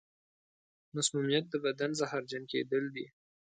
مسمومیت د بدن زهرجن کېدل دي.